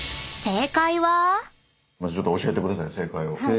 ちょっと教えてください正解を。